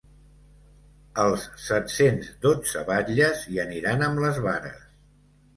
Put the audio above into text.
Els set-cents dotze batlles hi aniran amb les vares.